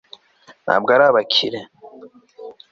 ntabwo ari abakire